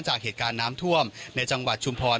จากเหตุการณ์น้ำท่วมในจังหวัดชุมพร